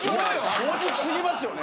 正直すぎますよね。